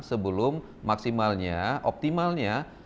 sebelum maksimalnya optimalnya